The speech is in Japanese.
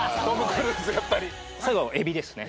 最後エビですね。